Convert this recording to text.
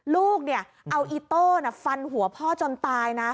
ลูกเอาอีโต้ฟันหัวพ่อจนตายนะ